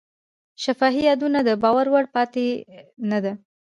شفاهي یادونه د باور وړ پاتې نه شوه.